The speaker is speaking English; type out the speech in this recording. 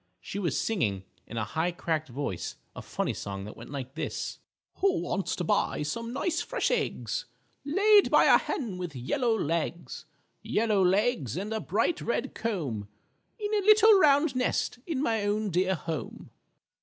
She was singing in a high cracked voice a funny song that went like this: "_Who wants to buy some nice fresh eggs Laid by a hen with yellow legs, Yellow legs and a bright red comb, In a little round nest in my own dear home?